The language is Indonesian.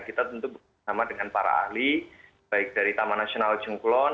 kita tentu bersama dengan para ahli baik dari taman nasional jengkulon